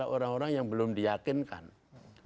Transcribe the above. dan itu adalah hal yang belum diakinkan oleh orang orang